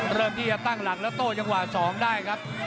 เริ่มที่จะตั้งหลักแล้วโต้จังหวะ๒ได้ครับ